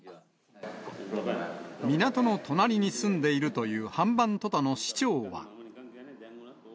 港の隣に住んでいるというハンバントタの市長は。